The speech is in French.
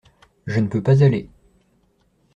Je ne peux pas aller.